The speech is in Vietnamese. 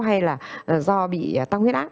hay là do bị tăng huyết ác